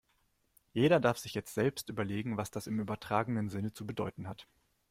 Jeder darf sich jetzt selbst überlegen, was das im übertragenen Sinne zu bedeuten hat.